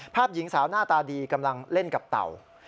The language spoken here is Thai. หญิงสาวหน้าตาดีกำลังเล่นกับเต่า